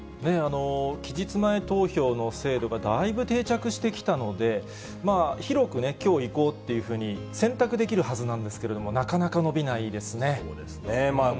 期日前投票の制度がだいぶ定着してきたので、広くね、きょう行こうっていうふうに選択できるはずなんですけれども、そうですね。